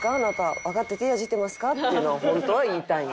わかってて野次ってますか？」っていうのをホントは言いたいんや。